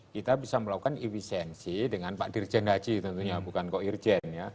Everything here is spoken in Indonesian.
kita bisa melakukan efisiensi dengan pak dirjen haji tentunya bukan kok irjen ya